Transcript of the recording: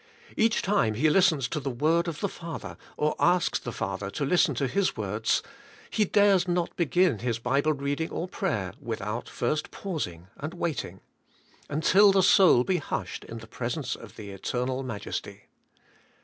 Each time he listens to the word of the Father, or asks the Father to listen to his words, he dares not begin his Bible reading or prayer without first pausing and waiting, until the soul be hushed in the presence of the Eternal Majesty.